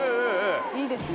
いいですね。